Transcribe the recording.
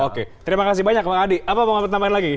oke terima kasih banyak bang adi apa mau tambahin lagi